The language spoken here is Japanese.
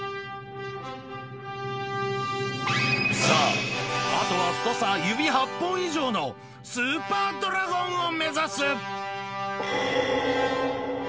さああとは太さ指８本以上のスーパードラゴンを目指す！